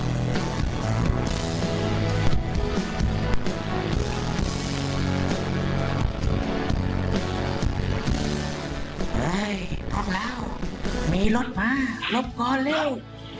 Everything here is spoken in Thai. เฮ้ยพวกเรามีรถมาลบก่อนเร็ว